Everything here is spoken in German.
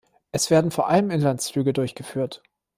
Es werden vor allem Inlandsflüge durchgeführt.